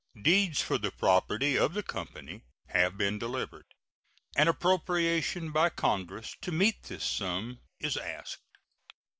Deeds for the property of the company have been delivered. An appropriation by Congress to meet this sum is asked.